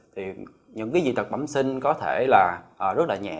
thì những cái dị tật bẩm sinh có thể là rất là nhẹ